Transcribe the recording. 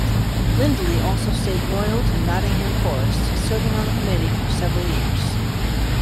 Lindley also stayed loyal to Nottingham Forest, serving on the committee for several years.